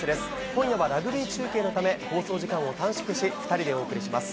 今夜はラグビー中継のため、放送時間を短縮して２人でお送りします。